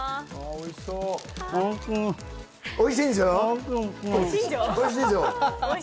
おいしい！